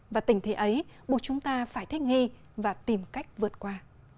và tình thế ấy buộc chúng ta phải thích nghi và tìm cách vượt qua